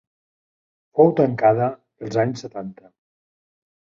Fou tancada els anys setanta.